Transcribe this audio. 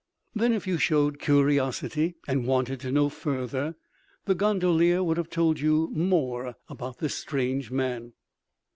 Then, if you showed curiosity and wanted to know further, the gondolier would have told you more about this strange man.